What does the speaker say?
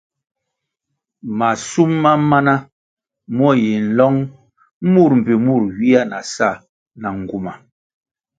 Mashum ma mana mo yi nlong mur mbpi mur ywia na sa na nguma.